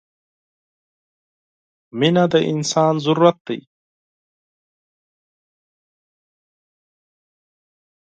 • مینه د انسان ضرورت دی.